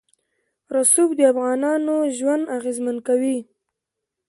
رسوب د افغانانو ژوند اغېزمن کوي.